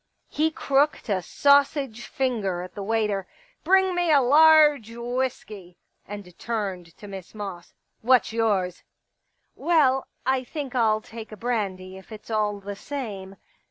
He crooked a sausage finger at the waiter —*' Bring me a large whisky "— and turned to Miss Moss. " What's yours ?"" Well, I think I'll take a brandy if it's all the same."